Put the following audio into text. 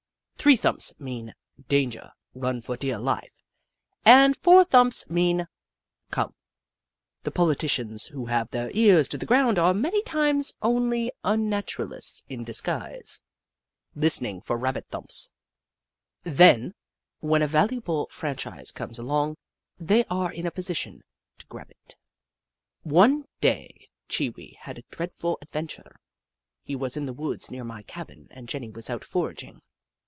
Three thumps mean " danger — run for dear life," and four thumps mean " come." The politicians who have their ears to the ground are many times only Unnaturalists in disguise, listening i;^ The Book of Clever Beasts for Rabbit thumps. Then, when a valuable franchise comes along, they are in a position to grab it. One day Chee Wee had a dreadful adven ture. He was in the woods near my cabin and Jenny was out foraging.